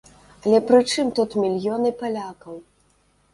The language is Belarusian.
Але пры чым тут мільёны палякаў?